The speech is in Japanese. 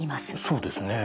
そうですね。